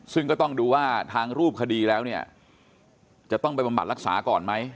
ซึ่งก็ต้องดูว่าทางรูปคดีแล้วเนี่ยจะต้องไปบำบัดรักษาก่อนไหม